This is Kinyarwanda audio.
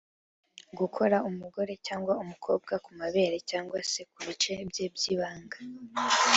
gukora umugore cyangwa umukobwa ku mabere cyangwa se ku bice bye by’ibanga